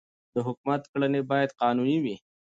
د حکومت کړنې باید قانوني وي